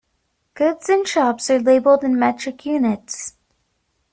Goods in shops are labelled in metric units.